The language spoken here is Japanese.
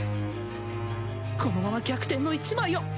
このまま逆転の一枚を！